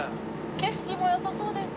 景色も良さそうですね。